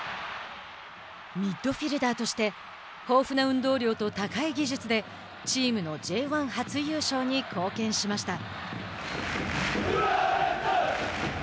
ミッドフィールダーとして豊富な運動量と高い技術でチームのＪ１初優勝に貢献しました。